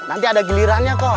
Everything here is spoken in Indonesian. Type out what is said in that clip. nanti ada gilirannya kok